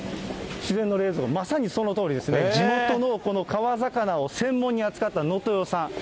自然の冷蔵庫、まさにそのとおりですね、地元のこの川魚を専門に扱ったのとよさん。